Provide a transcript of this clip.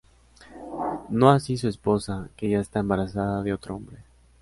No así su esposa, que ya está embarazada de otro hombre.